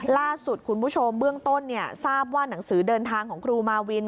ล่าสุดคุณผู้ชมเบื้องต้นทราบว่าหนังสือเดินทางของครูมาวิน